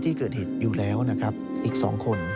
ก็คือผู้ชายร่วมกระทำ๑๑คน